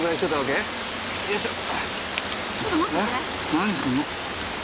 何すんの？